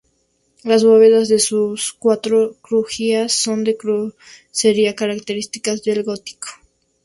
Las bóvedas de sus cuatro crujías son de crucería, características del gótico.